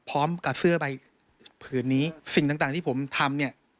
พื้นนี้สิ่งต่างที่ผมทำ